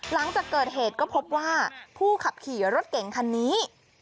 หลังจากเกิดเหตุก็พบว่าผู้ขับขี่รถเก่งคันนี้